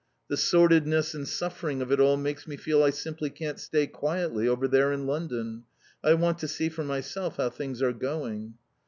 The sordidness and suffering of it all makes me feel I simply can't stay quietly over there in London. I want to see for myself how things are going."